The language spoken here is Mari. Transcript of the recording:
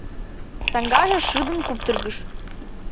Саҥгаже шыдын куптыргыш.